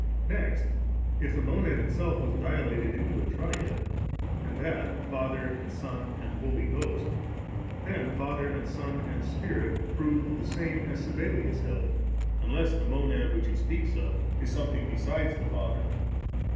Next, if the Monad itself was dilated into a Triad, and that. Father and Son and Holy Ghost, then Father and Son and Spirit prove the same, as Sabellius held, unless the Monad which he speaks of is some* S L n, a. I.